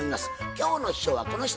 今日の秘書はこの人。